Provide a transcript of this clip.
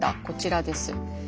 こちらです。